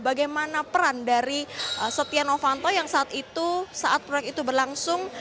bagaimana peran dari setia novanto yang saat itu saat proyek itu berlangsung